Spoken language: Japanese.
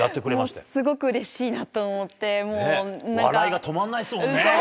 もうすごくうれしいなと思っ笑いが止まらないですもんね。